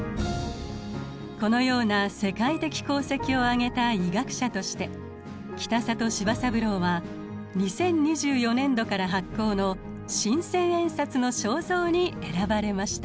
このような世界的功績をあげた医学者として北里柴三郎は２０２４年度から発行の新千円札の肖像に選ばれました。